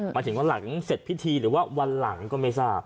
หมายถึงว่าหลังเสร็จพิธีหรือว่าวันหลังก็ไม่ทราบ